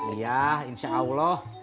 iya insya allah